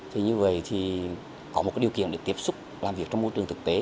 thì như vậy thì có một điều kiện để tiếp xúc làm việc trong môi trường thực tế